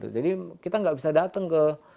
jadi kita nggak bisa datang ke